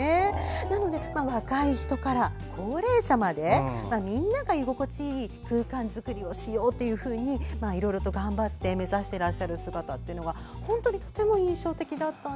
なので、若い人から高齢者までみんなが居心地いい空間づくりをしようといろいろと頑張って目指している姿がとても印象的でした。